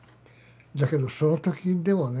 だけどその時にでもね